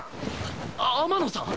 天野さん！？